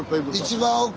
一番奥。